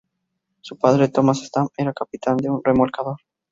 Su padre, Thomas Stamp, era capitán de un remolcador.